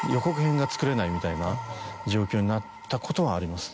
みたいな状況になったことはあります。